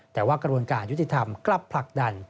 แต่ว่ากระบวนการยุติธรรมกลับผลักดัน